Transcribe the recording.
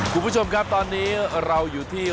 คุณผู้ชมครับตอนนี้เราอยู่ที่